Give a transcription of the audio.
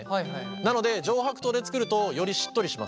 なので上白糖で作るとよりしっとりします。